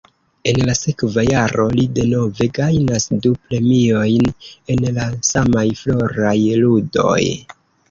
En la sekva jaro li denove gajnas du premiojn en la samaj Floraj Ludoj.